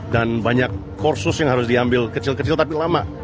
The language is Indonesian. dan banyak kursus yang harus diambil kecil kecil tapi lama